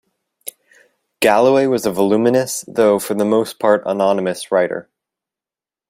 Galloway was a voluminous, though, for the most part, anonymous writer.